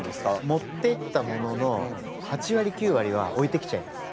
持っていったものの８割９割は置いてきちゃいます。